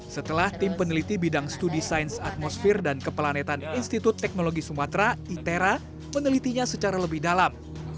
setelah tim peneliti bidang studi sains atmosfer dan kepelanetan institut teknologi sumatera itera menelitinya secara lebih dalam